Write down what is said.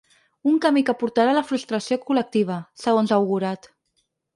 Un camí que portarà a la “frustració col·lectiva”, segons ha augurat.